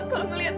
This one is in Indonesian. untuk hari inilah